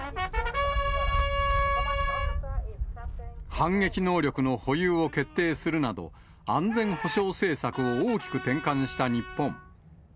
反撃能力の保有を決定するなど、安全保障政策を大きく転換した日本。